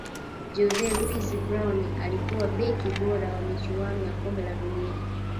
jose luis brown alikuwa beki bora wa michuano ya kombe la dunia